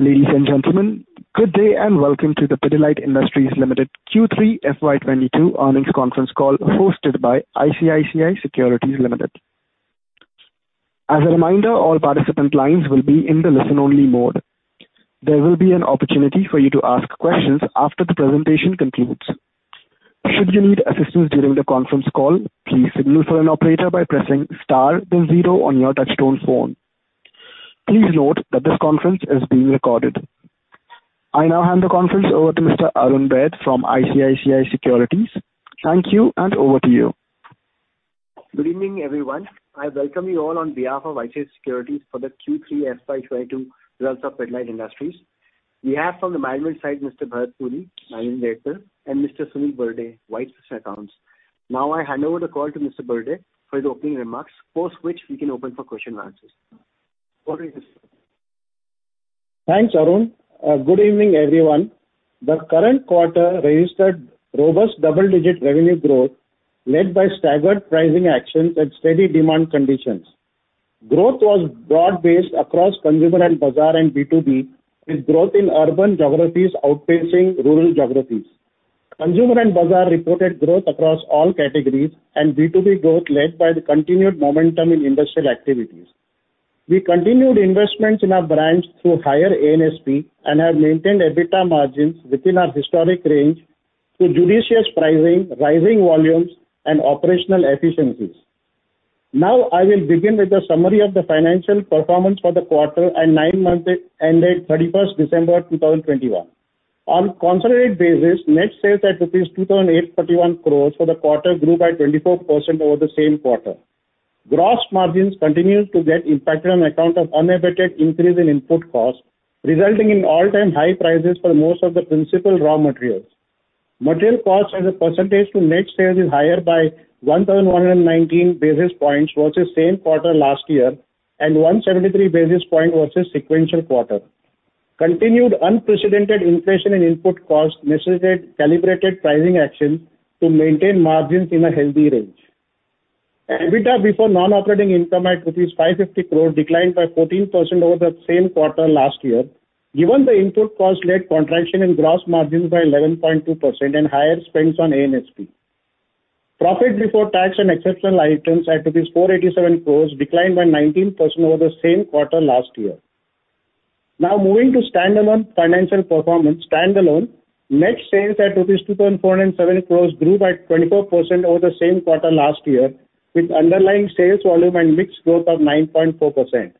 Ladies and gentlemen, good day and welcome to the Pidilite Industries Limited Q3 FY 2022 earnings conference call hosted by ICICI Securities Limited. As a reminder, all participant lines will be in the listen-only mode. There will be an opportunity for you to ask questions after the presentation concludes. Should you need assistance during the conference call, please signal for an operator by pressing Star then zero on your touchtone phone. Please note that this conference is being recorded. I now hand the conference over to Mr. Arun Baid from ICICI Securities. Thank you and over to you. Good evening, everyone. I welcome you all on behalf of ICICI Securities for the Q3 FY 2022 results of Pidilite Industries. We have from the management side, Mr. Bharat Puri, Managing Director, and Mr. Sunil Burde, Vice President Accounts. Now I hand over the call to Mr. Burde for his opening remarks, post which we can open for question and answers. Over to you, sir. Thanks, Arun. Good evening, everyone. The current quarter registered robust double-digit revenue growth, led by staggered pricing actions and steady demand conditions. Growth was broad-based across Consumer and Bazaar and B2B, with growth in urban geographies outpacing rural geographies. Consumer and Bazaar reported growth across all categories and B2B growth led by the continued momentum in industrial activities. We continued investments in our brands through higher A&SP and have maintained EBITDA margins within our historic range through judicious pricing, rising volumes and operational efficiencies. Now I will begin with a summary of the financial performance for the quarter and nine months ended 31 December 2021. On consolidated basis, net sales at INR 2,831 crores for the quarter grew by 24% over the same quarter. Gross margins continued to get impacted on account of unabated increase in input costs, resulting in all-time high prices for most of the principal raw materials. Material costs as a percentage to net sales is higher by 1,119 basis points versus same quarter last year, and 173 basis points versus sequential quarter. Continued unprecedented inflation in input costs necessitated calibrated pricing actions to maintain margins in a healthy range. EBITDA before non-operating income at 550 crores declined by 14% over the same quarter last year, given the input cost-led contraction in gross margins by 11.2% and higher spends on A&SP. Profit before tax and exceptional items at INR 487 crores declined by 19% over the same quarter last year. Now moving to standalone financial performance. Standalone net sales at rupees 2,407 crores grew by 24% over the same quarter last year, with underlying sales volume and mix growth of 9.4%.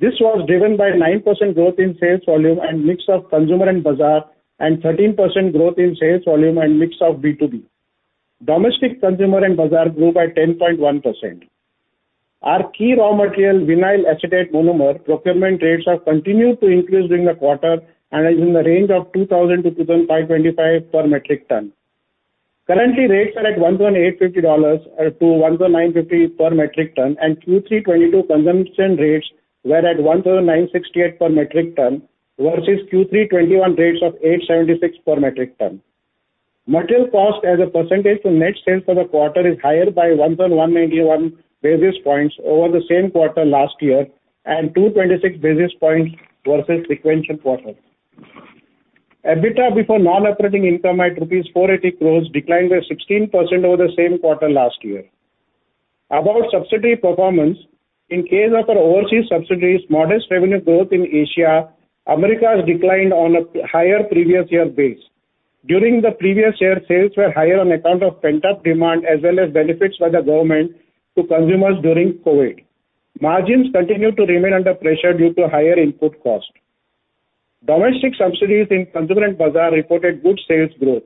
This was driven by 9% growth in sales volume and mix of Consumer and Bazaar, and 13% growth in sales volume and mix of B2B. Domestic Consumer and Bazaar grew by 10.1%. Our key raw material, vinyl acetate monomer, procurement rates have continued to increase during the quarter and are in the range of 2,000-2,525 per metric ton. Currently, rates are at $1,850 to $1,950 per metric ton, and Q3 FY 2022 consumption rates were at 1,968 per metric ton versus Q3 FY 2021 rates of 876 per metric ton. Material cost as a percentage to net sales for the quarter is higher by 1,091 basis points over the same quarter last year and 226 basis points versus sequential quarter. EBITDA before non-operating income at 480 crores rupees declined by 16% over the same quarter last year. About subsidiary performance. In case of our overseas subsidiaries, modest revenue growth in Asia. Americas declined on a higher previous year base. During the previous year, sales were higher on account of pent-up demand as well as benefits by the government to consumers during COVID. Margins continued to remain under pressure due to higher input cost. Domestic subsidiaries in Consumer and Bazaar reported good sales growth.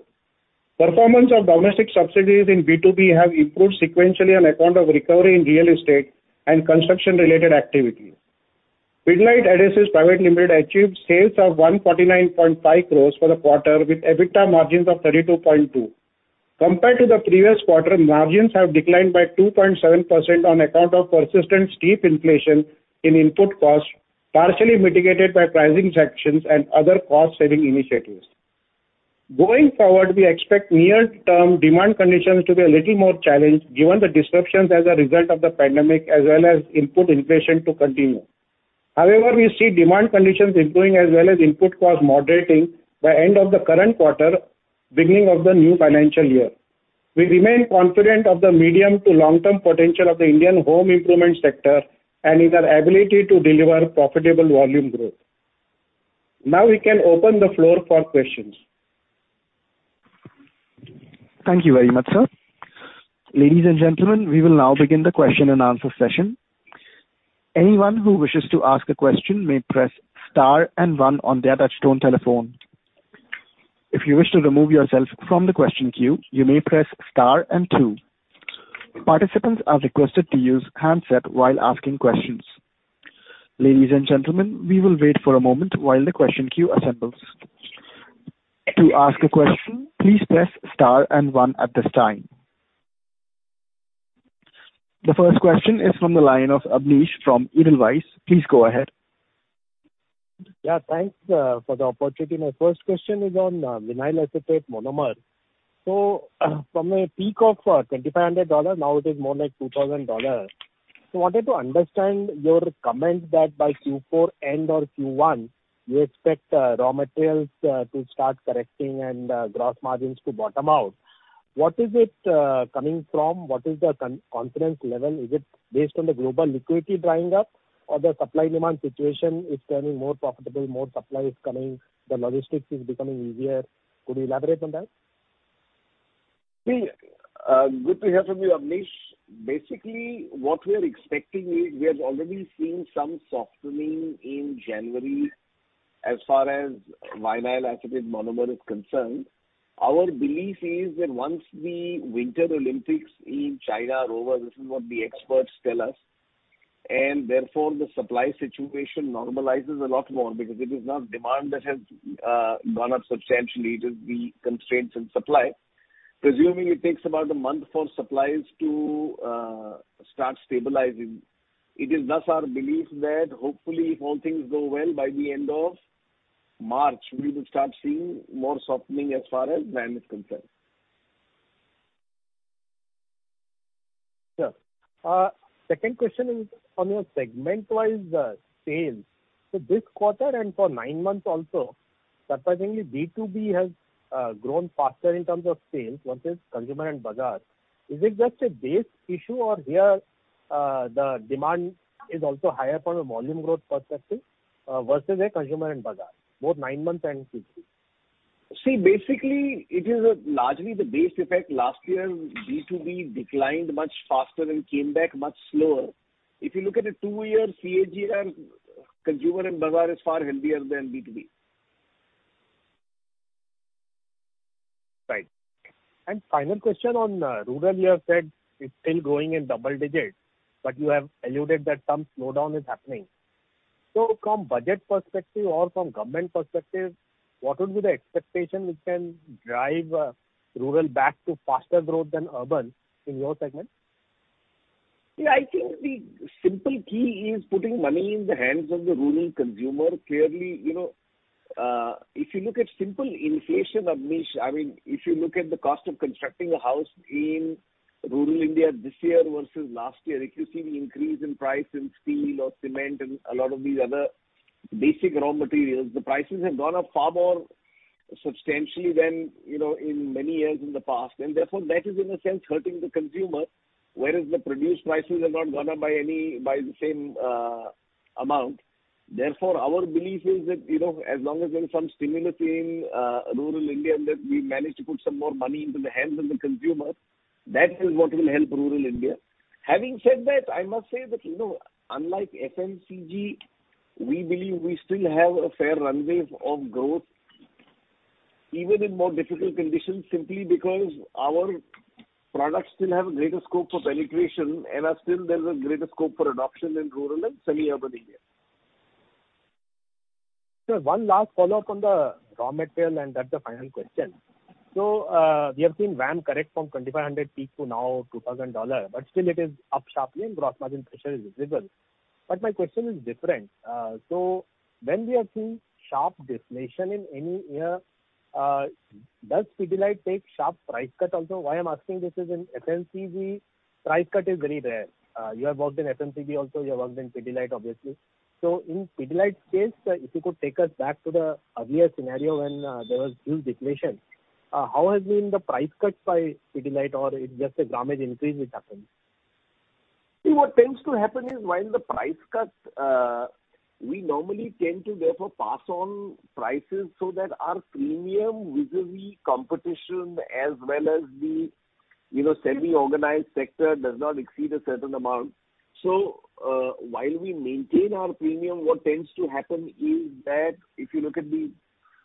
Performance of domestic subsidiaries in B2B have improved sequentially on account of recovery in real estate and construction-related activities. Pidilite Adhesives Private Limited achieved sales of 149.5 crores for the quarter, with EBITDA margins of 32.2%. Compared to the previous quarter, margins have declined by 2.7% on account of persistent steep inflation in input costs, partially mitigated by pricing actions and other cost-saving initiatives. Going forward, we expect near-term demand conditions to be a little more challenged given the disruptions as a result of the pandemic as well as input inflation to continue. However, we see demand conditions improving as well as input costs moderating by end of the current quarter, beginning of the new financial year. We remain confident of the medium to long-term potential of the Indian home improvement sector and in our ability to deliver profitable volume growth. Now we can open the floor for questions. Thank you very much, sir. Ladies and gentlemen, we will now begin the question and answer session. Anyone who wishes to ask a question may press Star and one on their touchtone telephone. If you wish to remove yourself from the question queue, you may press Star and two. Participants are requested to use handset while asking questions. Ladies and gentlemen, we will wait for a moment while the question queue assembles. To ask a question, please press Star and one at this time. The first question is from the line of Abneesh from Edelweiss. Please go ahead. Yeah, thanks for the opportunity. My first question is on vinyl acetate monomer. From a peak of $2,500 now it is more like $2,000. Wanted to understand your comment that by Q4 end or Q1 you expect raw materials to start correcting and gross margins to bottom out. What is it coming from? What is the confidence level? Is it based on the global liquidity drying up or the supply/demand situation is turning more profitable, more supply is coming, the logistics is becoming easier? Could you elaborate on that? See, good to hear from you, Abneesh. Basically what we are expecting is we have already seen some softening in January as far as vinyl acetate monomer is concerned. Our belief is that once the Winter Olympics in China are over, this is what the experts tell us, and therefore the supply situation normalizes a lot more because it is not demand that has gone up substantially, it is the constraints in supply. Presuming it takes about a month for supplies to start stabilizing, it is thus our belief that hopefully if all things go well by the end of March we will start seeing more softening as far as VAM is concerned. Sure. Second question is on your segment-wise sales. This quarter and for nine months also, surprisingly B2B has grown faster in terms of sales versus Consumer and Bazaar. Is it just a base issue or here the demand is also higher from a volume growth perspective versus Consumer and Bazaar, both nine months and Q3? See, basically it is largely the base effect. Last year B2B declined much faster and came back much slower. If you look at a two-year CAGR, Consumer and Bazaar is far healthier than B2B. Right. Final question on rural. You have said it's still growing in double digits, but you have alluded that some slowdown is happening. From budget perspective or from government perspective, what would be the expectation which can drive rural back to faster growth than urban in your segment? Yeah, I think the simple key is putting money in the hands of the rural consumer. Clearly, you know, if you look at simple inflation, Abneesh, I mean, if you look at the cost of constructing a house in rural India this year versus last year, if you see the increase in price in steel or cement and a lot of these other basic raw materials, the prices have gone up far more substantially than, you know, in many years in the past. Therefore that is in a sense hurting the consumer, whereas the produced prices have not gone up by any, by the same, amount. Therefore, our belief is that, you know, as long as there's some stimulus in, rural India and that we manage to put some more money into the hands of the consumer, that is what will help rural India. Having said that, I must say that, you know, unlike FMCG, we believe we still have a fair runway of growth, even in more difficult conditions, simply because our products still have a greater scope for penetration and there is still a greater scope for adoption in rural and semi-urban India. Sir, one last follow-up on the raw material, and that's the final question. We have seen VAM correct from $2,500 peak to now $2,000, but still it is up sharply and gross margin pressure is visible. My question is different. When we have seen sharp deflation in any year, does Pidilite take sharp price cut also? Why I'm asking this is in FMCG price cut is very rare. You have worked in FMCG also, you have worked in Pidilite, obviously. In Pidilite's case, if you could take us back to the earlier scenario when there was real deflation, how has been the price cuts by Pidilite or it just a volume increase which happens? See what tends to happen is while the price cuts, we normally tend to therefore pass on prices so that our premium vis-à-vis competition as well as the, you know, semi-organized sector does not exceed a certain amount. While we maintain our premium, what tends to happen is that if you look at it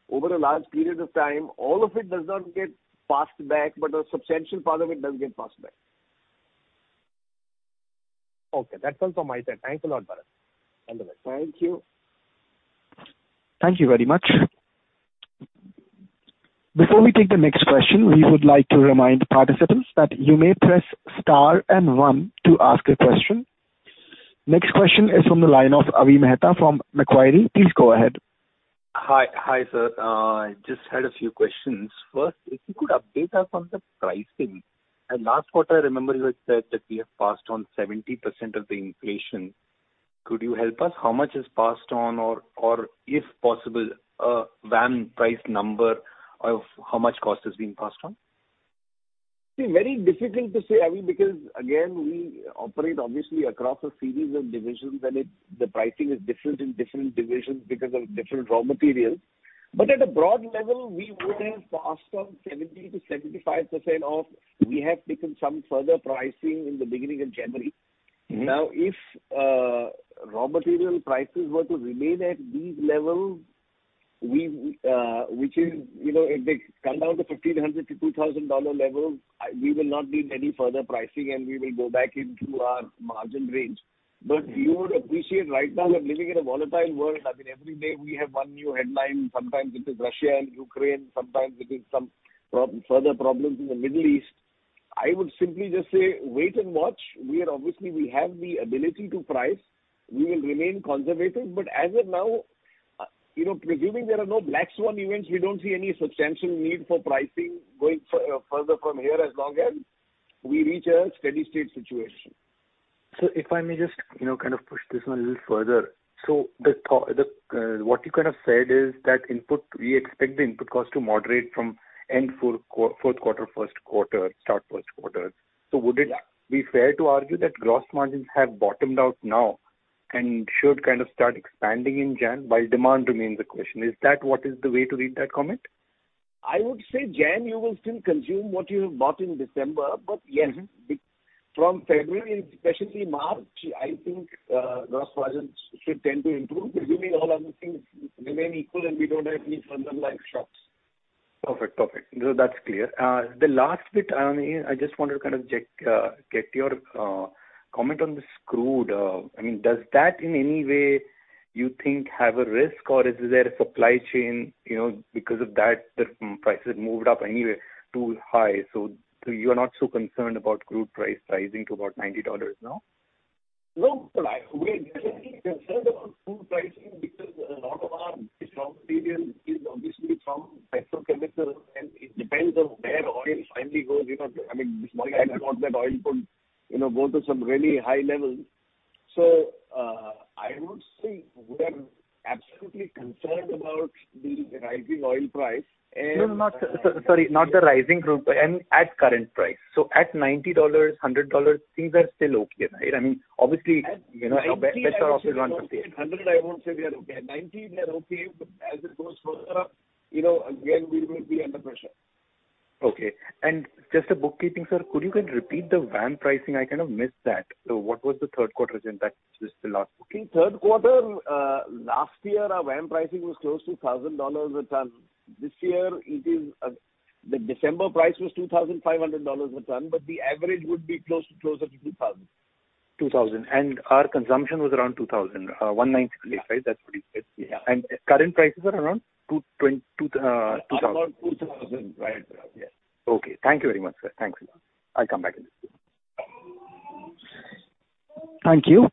over a large period of time, all of it does not get passed back, but a substantial part of it does get passed back. Okay. That's all from my side. Thanks a lot, Bharat. Thank you. Thank you very much. Before we take the next question, we would like to remind participants that you may press Star and one to ask a question. Next question is from the line of Avi Mehta from Macquarie. Please go ahead. Hi. Hi, sir. Just had a few questions. First, if you could update us on the pricing. At last quarter, I remember you had said that we have passed on 70% of the inflation. Could you help us how much is passed on or, if possible, a VAM price number of how much cost is being passed on? See, very difficult to say, Avi, because again, we operate obviously across a series of divisions and it, the pricing is different in different divisions because of different raw materials. But at a broad level, we would have passed on 70%-75%. We have taken some further pricing in the beginning of January. Mm-hmm. Now, if raw material prices were to remain at these levels, we, which is, you know, if they come down to $1,500-$2,000 level, we will not need any further pricing and we will go back into our margin range. You would appreciate right now we're living in a volatile world. I mean, every day we have one new headline. Sometimes it is Russia and Ukraine, sometimes it is some further problems in the Middle East. I would simply just say wait and watch. We are obviously we have the ability to price. We will remain conservative, but as of now, you know, presuming there are no black swan events, we don't see any substantial need for pricing going further from here as long as we reach a steady-state situation. If I may just, you know, kind of push this one a little further. What you kind of said is that we expect the input cost to moderate from end fourth quarter, first quarter, start first quarter. Would it be fair to argue that gross margins have bottomed out now and should kind of start expanding in January while demand remains the question. Is that the way to read that comment? I would say in January, you will still consume what you have bought in December. Yes. Mm-hmm. From February, especially March, I think, gross margins should tend to improve, presuming all other things remain equal, and we don't have any further like shocks. Perfect. No, that's clear. The last bit, I mean, I just wanted to kind of check, get your comment on the crude. I mean, does that in any way you think have a risk, or is there a supply chain, you know, because of that the prices moved up anyway too high? You're not so concerned about crude price rising to about $90 now? No. We're definitely concerned about crude pricing because a lot of our raw material is obviously from petrochemical, and it depends on where oil finally goes, you know. I mean, this morning I read a report that oil could, you know, go to some really high levels. I would say we're absolutely concerned about the rising oil price and No, sorry, not the rising crude price. I mean, at current price. At $90-$100, things are still okay, right? I mean, obviously, you know, better off if it won't be. At 90 or 100, I won't say we are okay. At 90 we are okay, but as it goes further up, you know, again, we will be under pressure. Okay. Just a bookkeeping, sir. Could you kind of repeat the VAM pricing? I kind of missed that. What was the third quarter impact just the last- Okay. Third quarter last year our VAM pricing was close to $1,000 a ton. This year it is, the December price was $2,500 a ton, but the average would be close to, closer to $2,000. 2000. Our consumption was around 2000, 1/9 release, right? That's what you said. Yeah. Current prices are around $220-$2,000. Around 2000, right. Yeah. Okay. Thank you very much, sir. Thanks a lot. I'll come back if there's anything. Thank you.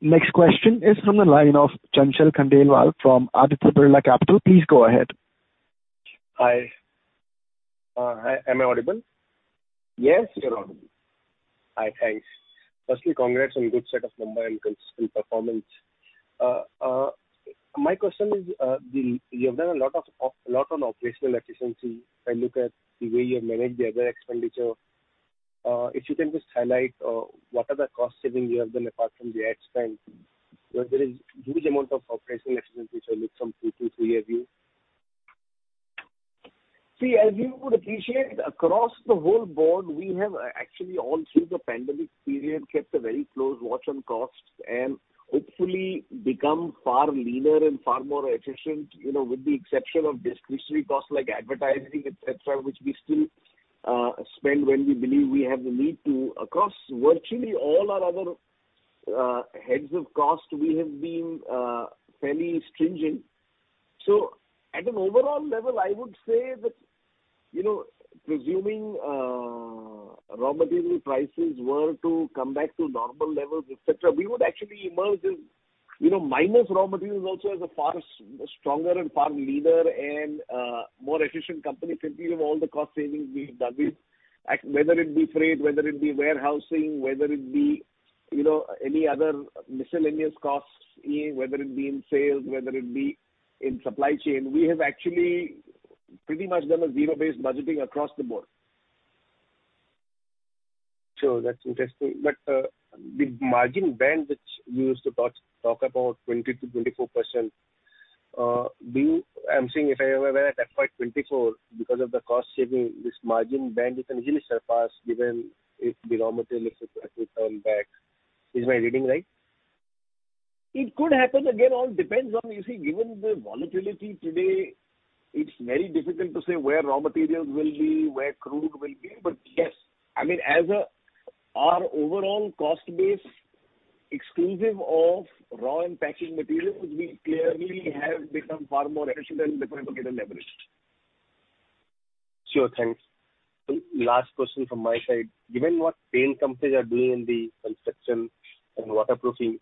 Next question is from the line of Chanchal Khandelwal from Aditya Birla Capital. Please go ahead. Hi. Hi, am I audible? Yes, you're audible. Hi. Thanks. Firstly, congrats on good set of numbers and consistent performance. My question is, you have done a lot on operational efficiency. If I look at the way you manage the other expenditure, if you can just highlight what are the cost savings you have done apart from the ad spend. Because there is huge amount of operational efficiency I look from two to three or so. See, as you would appreciate, across the whole board, we have actually all through the pandemic period, kept a very close watch on costs and hopefully become far leaner and far more efficient, you know, with the exception of discretionary costs like advertising, et cetera, which we still spend when we believe we have the need to. Across virtually all our other heads of cost, we have been fairly stringent. At an overall level, I would say that, you know, presuming raw material prices were to come back to normal levels, et cetera, we would actually emerge as, you know, minus raw materials also as a far stronger and far leaner and more efficient company because of all the cost savings we've done. Whether it be freight, whether it be warehousing, whether it be, you know, any other miscellaneous costs, whether it be in sales, whether it be in supply chain. We have actually pretty much done a zero-based budgeting across the board. Sure. That's interesting. The margin band which you used to talk about 20%-24%, I'm saying if I were at that point 24 because of the cost saving, this margin band you can easily surpass given if the raw material, et cetera, return back. Is my reading right? It could happen. Again, all depends on, you see, given the volatility today, it's very difficult to say where raw materials will be, where crude will be. Yes, I mean, our overall cost base exclusive of raw and packing materials, we clearly have become far more efficient and therefore get a leverage. Sure. Thanks. Last question from my side. Given what paint companies are doing in the construction and waterproofing,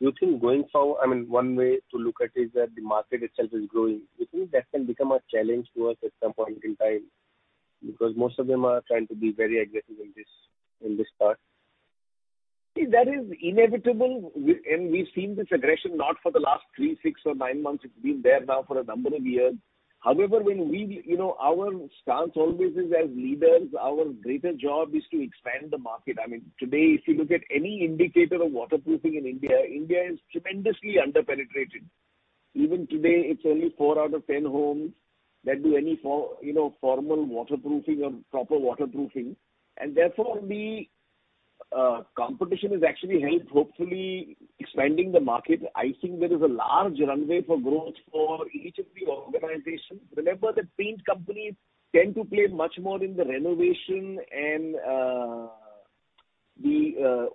do you think going forward, I mean, one way to look at it is that the market itself is growing. Do you think that can become a challenge to us at some point in time? Because most of them are trying to be very aggressive in this part. See, that is inevitable. We've seen this aggression not for the last three, six or nine months. It's been there now for a number of years. However, you know, our stance always is as leaders, our greater job is to expand the market. I mean, today, if you look at any indicator of waterproofing in India is tremendously under-penetrated. Even today, it's only four out of 10 homes that do any you know, formal waterproofing or proper waterproofing. Therefore, the competition has actually helped hopefully expanding the market. I think there is a large runway for growth for each of the organization. Remember that paint companies tend to play much more in the renovation and the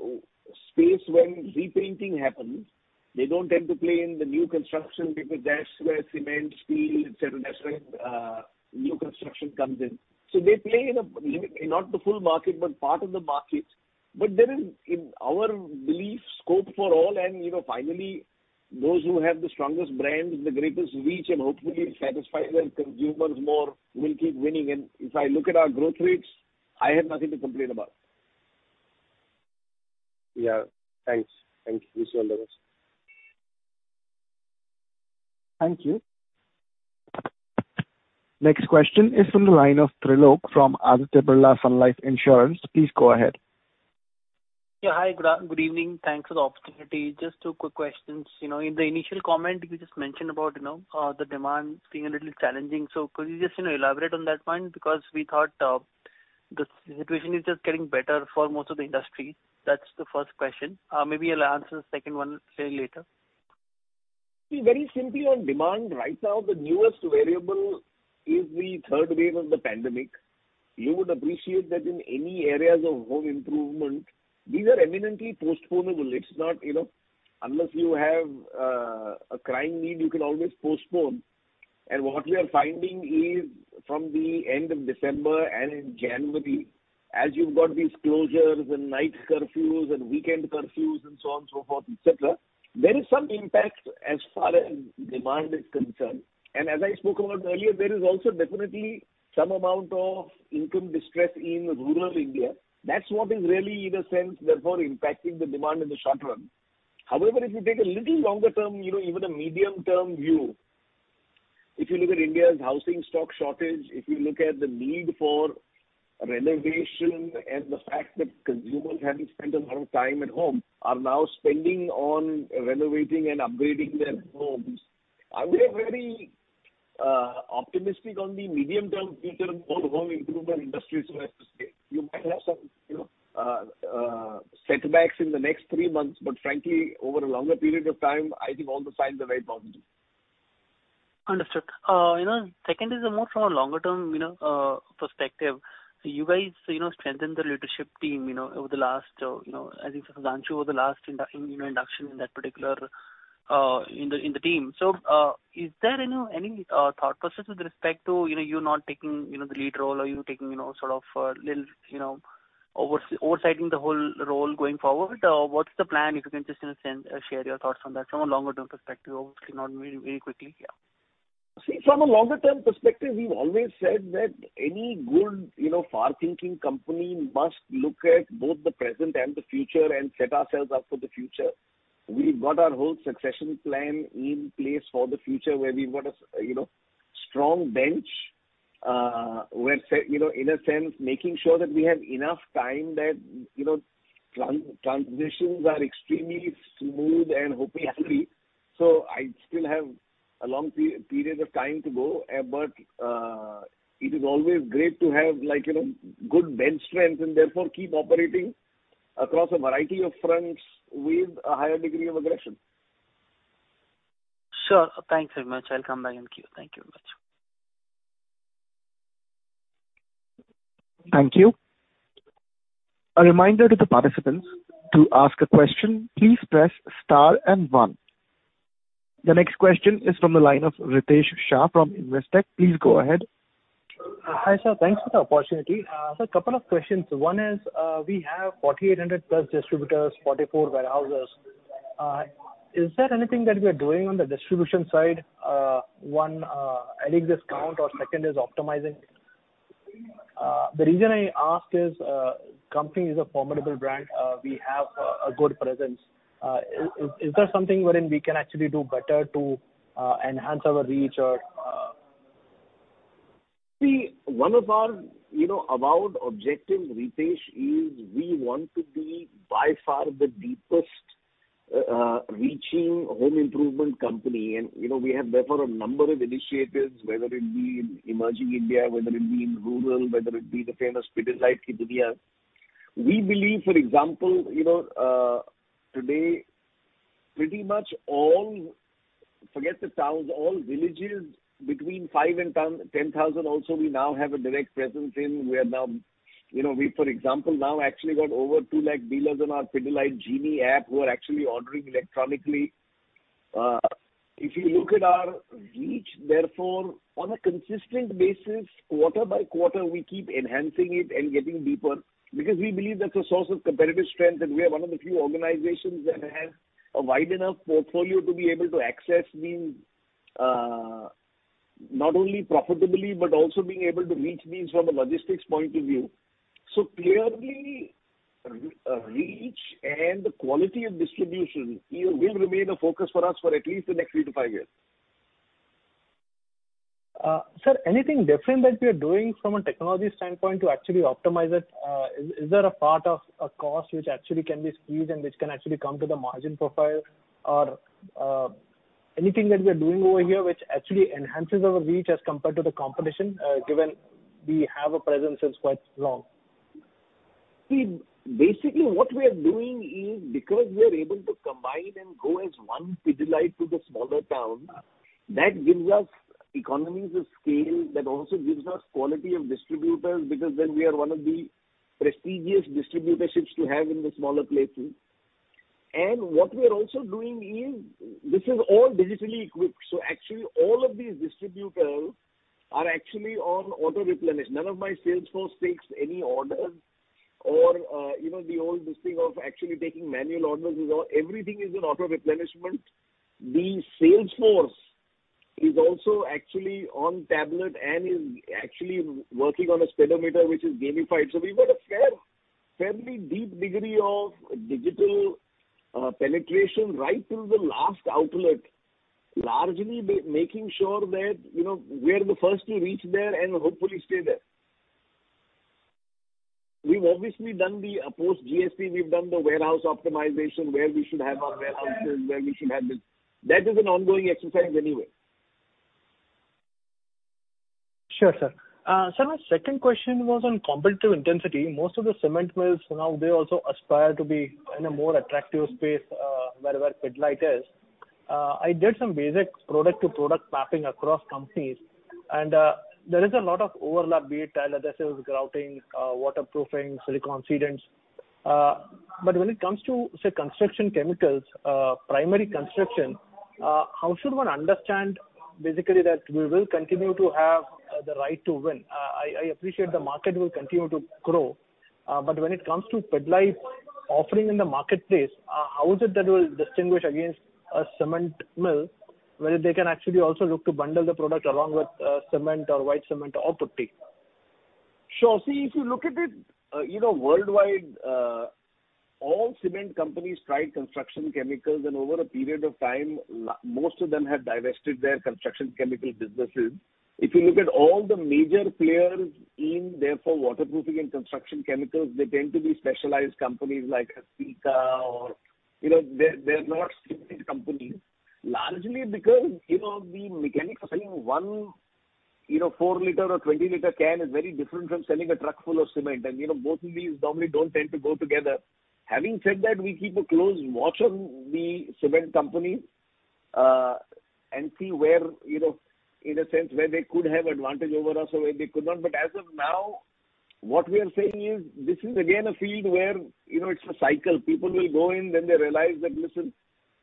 space when repainting happens. They don't tend to play in the new construction because that's where cement, steel, et cetera, that's where new construction comes in. So they play in not the full market, but part of the market. There is in our belief scope for all and, you know, finally, those who have the strongest brands, the greatest reach, and hopefully satisfy their consumers more will keep winning. If I look at our growth rates, I have nothing to complain about. Yeah. Thanks. Thank you, sir. Thank you. Next question is from the line of Trilok from Aditya Birla Sun Life Insurance. Please go ahead. Yeah. Hi. Good evening. Thanks for the opportunity. Just two quick questions. You know, in the initial comment you just mentioned about, you know, the demand being a little challenging, so could you just, you know, elaborate on that point? Because we thought the situation is just getting better for most of the industry. That's the first question. Maybe I'll ask the second one slightly later. See, very simply on demand right now, the newest variable is the third wave of the pandemic. You would appreciate that in any areas of home improvement, these are eminently postponable. It's not, you know, unless you have a crying need, you can always postpone. What we are finding is from the end of December and in January, as you've got these closures and night curfews and weekend curfews and so on and so forth, et cetera, there is some impact as far as demand is concerned. As I spoke about earlier, there is also definitely some amount of income distress in rural India. That's what is really in a sense therefore impacting the demand in the short run. However, if you take a little longer term, you know, even a medium term view, if you look at India's housing stock shortage, if you look at the need for renovation and the fact that consumers having spent a lot of time at home are now spending on renovating and upgrading their homes, we are very optimistic on the medium term future of all home improvement industries, so as to say. You might have some, you know, setbacks in the next three months, but frankly, over a longer period of time, I think all the signs are very positive. Understood. You know, second is more from a longer term perspective. You guys strengthened the leadership team over the last, you know, I think Sanju was the last induction in that particular, in the team. Is there any thought process with respect to you not taking the lead role or you taking sort of little oversighting the whole role going forward? What's the plan, if you can just share your thoughts on that from a longer term perspective, obviously not very quickly. Yeah. See, from a longer term perspective, we've always said that any good, you know, far-thinking company must look at both the present and the future and set ourselves up for the future. We've got our whole succession plan in place for the future, where we've got a you know, strong bench, where you know, in a sense, making sure that we have enough time that, you know, transitions are extremely smooth and hopefully speedy. I still have a long period of time to go, but it is always great to have like, you know, good bench strength and therefore keep operating across a variety of fronts with a higher degree of aggression. Sure. Thanks very much. I'll come back in queue. Thank you very much. Thank you. A reminder to the participants, to ask a question, please press Star and one. The next question is from the line of Ritesh Shah from Investec. Please go ahead. Hi, sir. Thanks for the opportunity. A couple of questions. One is, we have 4,800+ distributors, 44 warehouses. Is there anything that we are doing on the distribution side? One, adding discount or second is optimizing. The reason I ask is, company is a formidable brand. We have a good presence. Is there something wherein we can actually do better to enhance our reach or... See, one of our, you know, avowed objective, Ritesh, is we want to be by far the deepest reaching home improvement company. You know, we have therefore a number of initiatives, whether it be in emerging India, whether it be in rural, whether it be the famous Pidilite Ki Duniya. We believe, for example, you know, today pretty much all, forget the towns, all villages between five and 10,000 also we now have a direct presence in. We are now, you know, we for example now actually got over 2 lakh dealers on our Pidilite Genie app who are actually ordering electronically. If you look at our reach, therefore, on a consistent basis, quarter by quarter, we keep enhancing it and getting deeper because we believe that's a source of competitive strength, and we are one of the few organizations that has a wide enough portfolio to be able to access markets not only profitably, but also being able to reach markets from a logistics point of view. Clearly, reach and the quality of distribution will remain a focus for us for at least the next 3-5 years. Sir, anything different that we are doing from a technology standpoint to actually optimize it? Is there a part of a cost which actually can be squeezed and which can actually come to the margin profile? Anything that we are doing over here which actually enhances our reach as compared to the competition, given we have a presence since quite long? See, basically what we are doing is because we are able to combine and go as one Pidilite to the smaller towns. That gives us economies of scale that also gives us quality of distributors because then we are one of the prestigious distributorships to have in the smaller places. What we are also doing is this is all digitally equipped. Actually all of these distributors are actually on auto replenish. None of my sales force takes any orders or, you know, the old this thing of actually taking manual orders is all. Everything is in auto replenishment. The sales force is also actually on tablet and is actually working on a speedometer, which is gamified. We've got a fairly deep degree of digital penetration right till the last outlet, largely making sure that, you know, we're the first to reach there and hopefully stay there. We've obviously done the post GST, we've done the warehouse optimization, where we should have our warehouses, where we should have this. That is an ongoing exercise anyway. Sure, sir. Sir, my second question was on competitive intensity. Most of the cement mills now they also aspire to be in a more attractive space, wherever Pidilite is. I did some basic product to product mapping across companies, and there is a lot of overlap, be it tile adhesives, grouting, waterproofing, silicone sealants. But when it comes to, say, construction chemicals, primary construction, how should one understand basically that we will continue to have the right to win? I appreciate the market will continue to grow, but when it comes to Pidilite offering in the marketplace, how is it that it will distinguish against a cement mill, where they can actually also look to bundle the product along with cement or white cement or putty? Sure. See, if you look at it, you know, worldwide, all cement companies tried construction chemicals, and over a period of time, most of them have divested their construction chemical businesses. If you look at all the major players in waterproofing and construction chemicals, they tend to be specialized companies like Sika or, you know, they're not cement companies, largely because, you know, the mechanics of selling one, you know, four-litre or 20-litre can is very different from selling a truck full of cement. You know, both of these normally don't tend to go together. Having said that, we keep a close watch on the cement companies, and see where, you know, in a sense, where they could have advantage over us or where they could not. As of now, what we are saying is this is again a field where, you know, it's a cycle. People will go in, then they realize that, listen,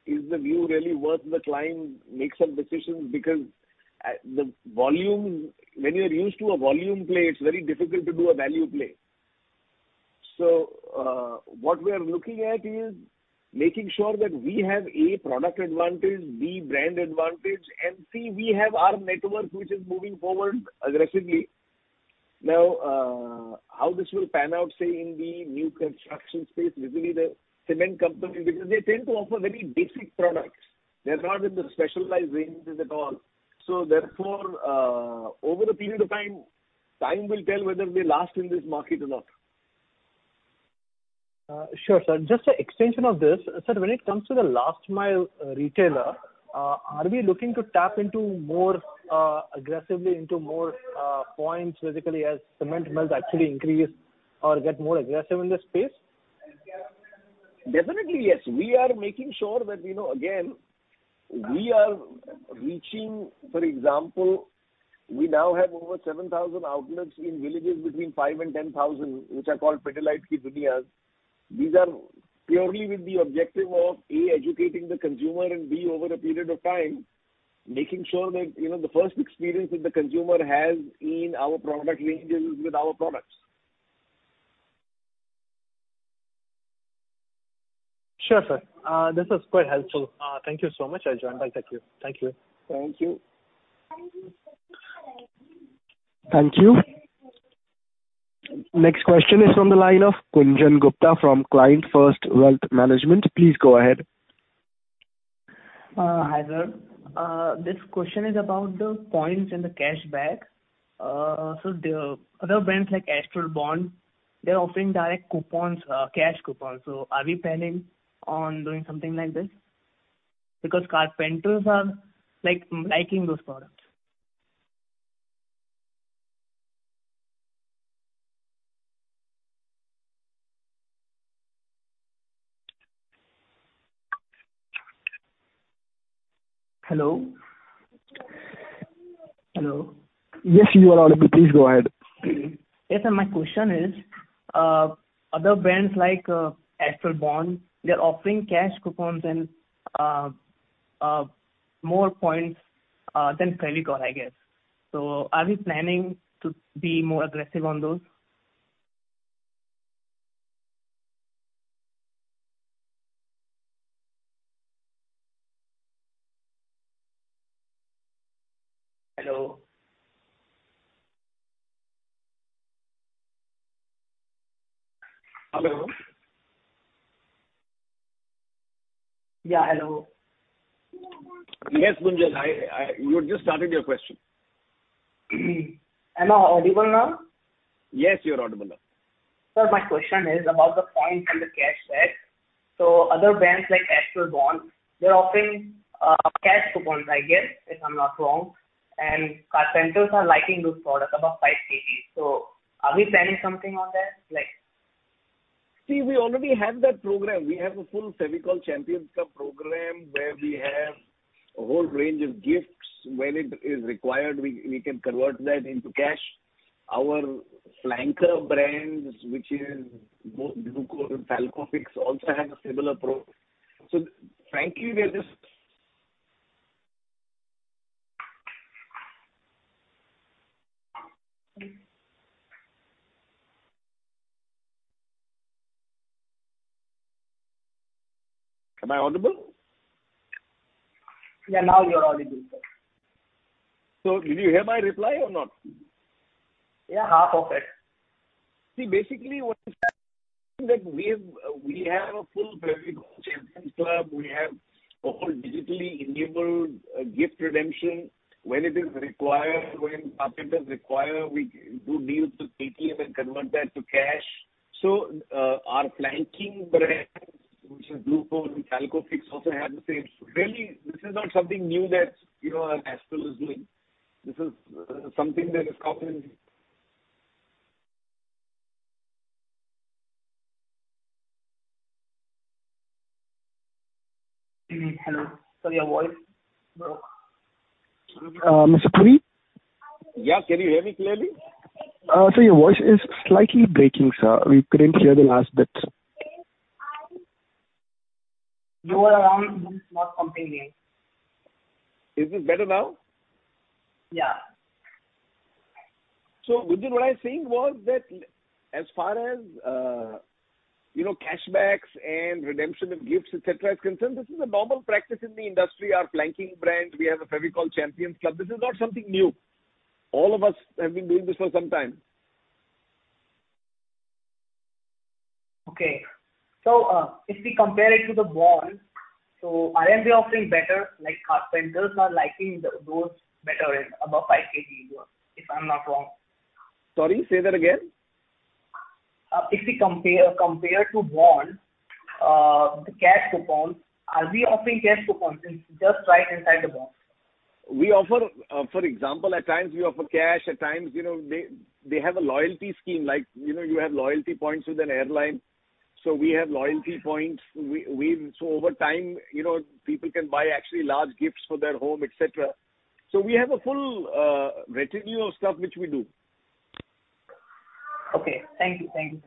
is the view really worth the climb, make some decisions because when you're used to a volume play, it's very difficult to do a value play. What we are looking at is making sure that we have A, product advantage, B, brand advantage, and C, we have our network which is moving forward aggressively. Now, how this will pan out, say, in the new construction space, basically the cement company, because they tend to offer very basic products. They're not in the specialized ranges at all. Therefore, over the period of time will tell whether they last in this market or not. Sure, sir. Just an extension of this. Sir, when it comes to the last mile retailer, are we looking to tap into more aggressively into more points basically as cement mills actually increase or get more aggressive in this space? Definitely, yes. We are making sure that, you know, again, we are reaching, for example, we now have over 7,000 outlets in villages between 5,000 and 10,000, which are called Pidilite Ki Duniya. These are purely with the objective of A, educating the consumer, and B, over a period of time, making sure that, you know, the first experience that the consumer has in our product range is with our products. Sure, sir. This was quite helpful. Thank you so much. I'll join back with you. Thank you. Thank you. Thank you. Next question is from the line of Kunjan Gupta from ClientFirst Wealth Management. Please go ahead. Hi there. This question is about the points and the cashback. The other brands like Astral Bondtite, they're offering direct coupons, cash coupons. Are we planning on doing something like this? Because carpenters are like liking those products. Hello? Hello? Yes, you are audible. Please go ahead. Yes, my question is, other brands like Astral Bondtite, they're offering cash coupons and more points than Fevicol, I guess. Are we planning to be more aggressive on those? Hello? Hello? Yeah. Hello. Yes, Kunjan. You had just started your question. Am I audible now? Yes, you're audible now. Sir, my question is about the points and the cashback. Other brands like Astral Bondtite, they're offering cash coupons, I guess, if I'm not wrong, and carpenters are liking those products above 5 kg. Are we planning something on that, like- See, we already have that program. We have a full Fevicol Champions Club program where we have a whole range of gifts. When it is required, we can convert that into cash. Our flanker brands, which is both Leokol and calcofix, also have a similar program. Frankly, we are just. Am I audible? Yeah, now you are audible, sir. Did you hear my reply or not? Yeah, half of it. [See, basically what is happening that we have a full Fevicol Champions Club. We have a whole digitally enabled gift redemption. When it is required, when customers require, we do deals with Paytm and convert that to cash. Our flanking brands, which is Lukol and Calcofix, also have the same. Really, this is not something new that, you know, Astral is doing. This is something that is common.] Mm-hmm. Hello. Sorry, your voice broke. Mr. Puri? Yeah. Can you hear me clearly? Sir, your voice is slightly breaking, sir. We couldn't hear the last bit. You were not coming here. Is it better now? Yeah. Kunjan Gupta, what I was saying was that as far as, you know, cash backs and redemption of gifts, et cetera, is concerned, this is a normal practice in the industry. Our flanker brands, we have a Fevicol Champions Club. This is not something new. All of us have been doing this for some time. Okay. If we compare it to the bond, are any of them better, like carpenters are liking those better, above 5 kg, if I'm not wrong? Sorry, say that again. If we compare to bond, the cash coupons, are we offering cash coupons just right inside the box? We offer, for example, at times we offer cash, at times, you know, they have a loyalty scheme. Like, you know, you have loyalty points with an airline, so we have loyalty points. So over time, you know, people can buy actually large gifts for their home, et cetera. We have a full repertoire of stuff which we do. Okay. Thank you.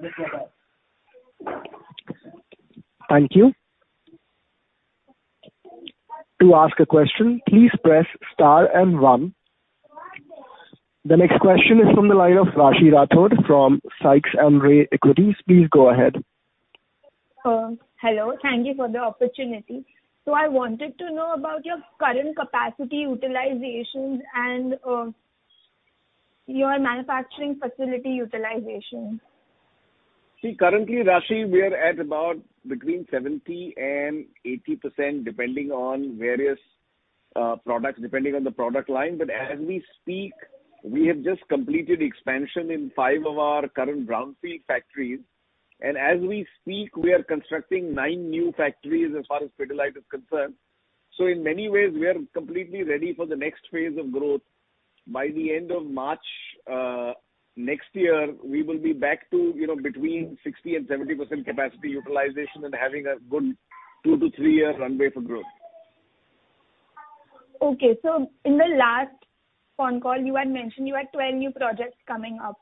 That's what I Thank you. To ask a question, please press Star and one. The next question is from the line of Rashi Rathod from Sykes & Ray Equities. Please go ahead. Hello. Thank you for the opportunity. I wanted to know about your current capacity utilizations and your manufacturing facility utilization? See, currently, Rashi, we are at about between 70% and 80%, depending on various products, depending on the product line. As we speak, we have just completed expansion in 5 of our current brownfield factories. As we speak, we are constructing nine new factories as far as Pidilite is concerned. In many ways, we are completely ready for the next phase of growth. By the end of March next year, we will be back to, you know, between 60% and 70% capacity utilization and having a good 2-3year runway for growth. Okay. In the last phone call, you had mentioned you had 12 new projects coming up.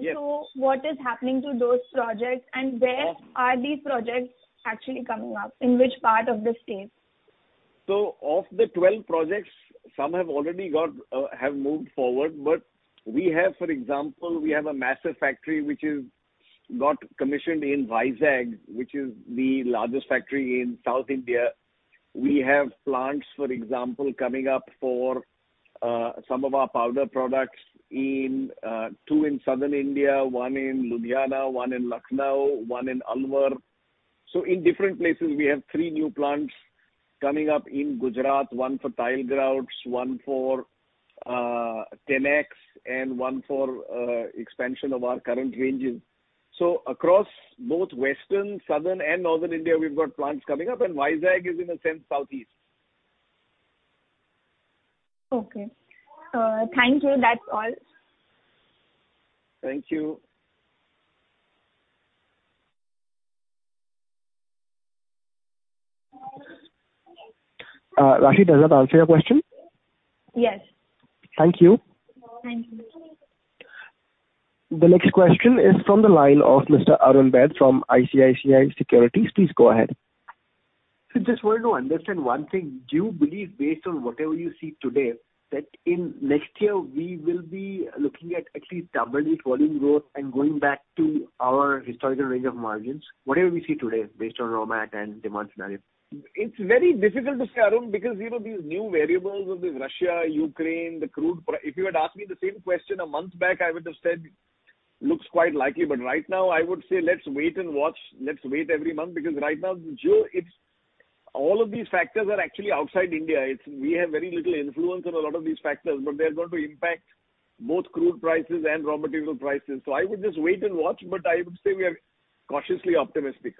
Yes. What is happening to those projects and where are these projects actually coming up? In which part of the state? Of the 12 projects, some have already moved forward. We have, for example, a massive factory which has got commissioned in Vizag, which is the largest factory in South India. We have plants, for example, coming up for some of our powder products in two in southern India, one in Ludhiana, one in Lucknow, one in Alwar. In different places, we have three new plants coming up in Gujarat, one for tile grouts, one for Tenax and one for expansion of our current ranges. Across both Western, Southern and Northern India, we've got plants coming up, and Vizag is in a sense Southeast. Okay. Thank you. That's all. Thank you. Rashi, does that answer your question? Yes. Thank you. Thank you. The next question is from the line of Mr. Arun Baid from ICICI Securities. Please go ahead. Sir, just wanted to understand one thing. Do you believe based on whatever you see today, that in next year we will be looking at least double-digit volume growth and going back to our historical range of margins? Whatever we see today based on raw mat and demand scenario. It's very difficult to say, Arun, because, you know, these new variables of this Russia, Ukraine, the crude. If you had asked me the same question a month back, I would have said, "Looks quite likely." Right now I would say let's wait and watch. Let's wait every month, because right now, June, it's all of these factors are actually outside India. We have very little influence on a lot of these factors, but they're going to impact both crude prices and raw material prices. I would just wait and watch, but I would say we are cautiously optimistic.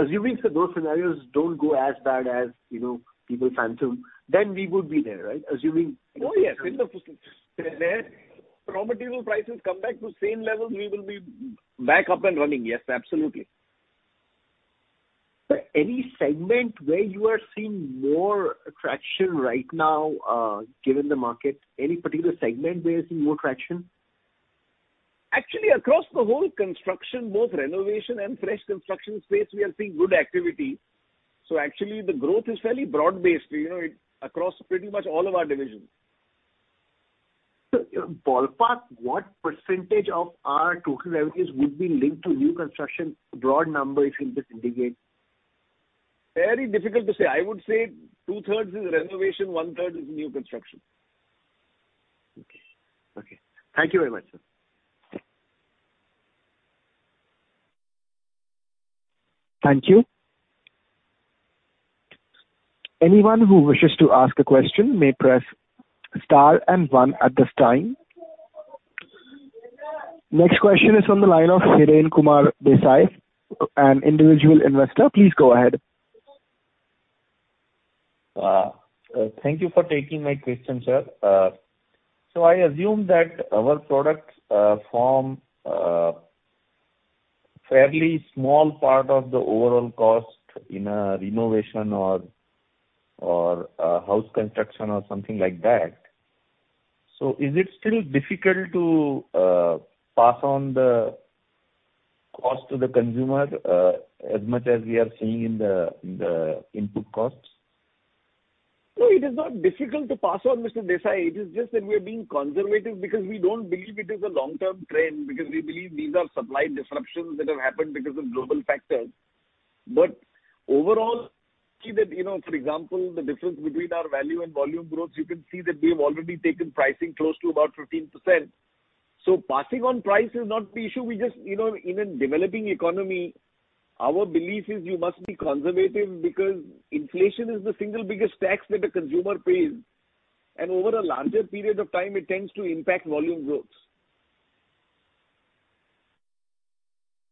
Assuming, sir, those scenarios don't go as bad as, you know, people fathom, then we would be there, right? Oh, yes. When the raw material prices come back to same levels, we will be back up and running. Yes, absolutely. Sir, any segment where you are seeing more traction right now, given the market? Any particular segment where you're seeing more traction? Actually, across the whole construction, both renovation and fresh construction space, we are seeing good activity. Actually the growth is fairly broad-based, you know, across pretty much all of our divisions. Sir, ballpark, what percentage of our total revenues would be linked to new construction? Broad number, if you could indicate. Very difficult to say. I would say 2/3 is renovation, 1/3 is new construction. Okay. Thank you very much, sir. Thank you. Anyone who wishes to ask a question may press Star and one at this time. Next question is on the line of Hiren Kumar Desai, an individual investor. Please go ahead. Thank you for taking my question, sir. I assume that our products form a fairly small part of the overall cost in a renovation or house construction or something like that. Is it still difficult to pass on the cost to the consumer as much as we are seeing in the input costs? No, it is not difficult to pass on, Mr. Desai. It is just that we are being conservative because we don't believe it is a long-term trend, because we believe these are supply disruptions that have happened because of global factors. Overall, see that, you know, for example, the difference between our value and volume growth, you can see that we have already taken pricing close to about 15%. Passing on price is not the issue. We just, you know, in a developing economy, our belief is you must be conservative because inflation is the single biggest tax that a consumer pays, and over a larger period of time, it tends to impact volume growth.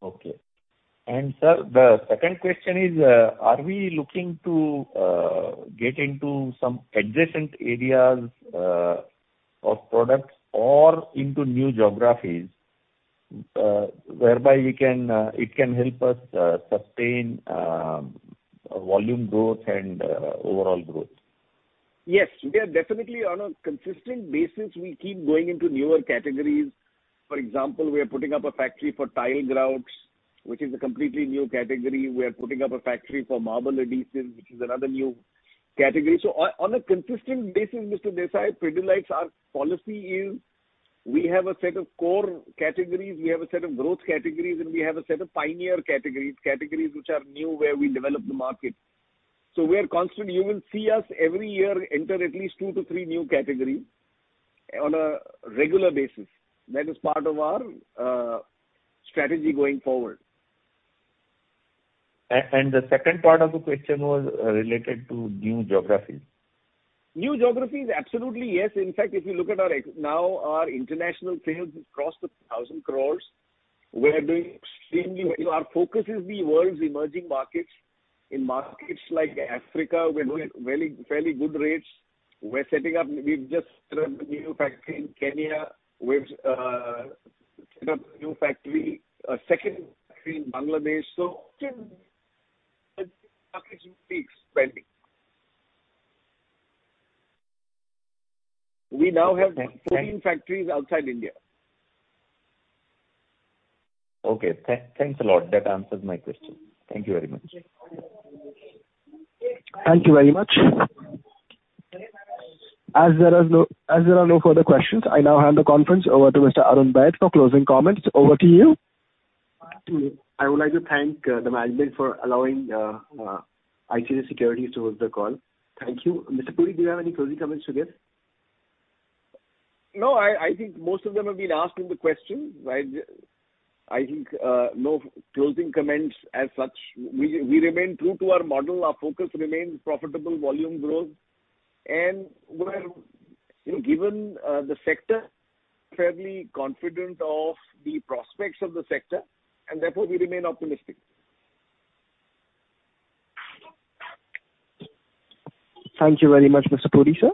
Okay. Sir, the second question is, are we looking to get into some adjacent areas of products or into new geographies, whereby it can help us sustain volume growth and overall growth? Yes. We are definitely on a consistent basis, we keep going into newer categories. For example, we are putting up a factory for tile grouts, which is a completely new category. We are putting up a factory for marble adhesives, which is another new category. On a consistent basis, Mr. Desai, Pidilite's our policy is we have a set of core categories, we have a set of growth categories, and we have a set of pioneer categories which are new, where we develop the market. You will see us every year enter at least 2-3 new categories on a regular basis. That is part of our strategy going forward. The second part of the question was related to new geographies. New geographies, absolutely yes. In fact, now our international sales has crossed 1,000 crore. We are doing extremely well. Our focus is the world's emerging markets. In markets like Africa, we're growing at very, fairly good rates. We've just set up a new factory in Kenya. We've set up a new factory, a second factory in Bangladesh. In expanding, we now have 14 factories outside India. Okay. Thanks a lot. That answers my question. Thank you very much. Thank you very much. As there are no further questions, I now hand the conference over to Mr. Arun Baid for closing comments. Over to you. I would like to thank the management for allowing ICICI Securities to host the call. Thank you. Mr. Puri, do you have any closing comments to give? No, I think most of them have been asked in the questions. I think no closing comments as such. We remain true to our model. Our focus remains profitable volume growth. We're, you know, given the sector, fairly confident of the prospects of the sector, and therefore we remain optimistic. Thank you very much, Mr. Puri, sir.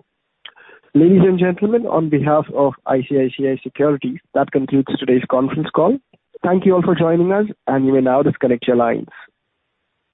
Ladies and gentlemen, on behalf of ICICI Securities, that concludes today's conference call. Thank you all for joining us, and you may now disconnect your lines.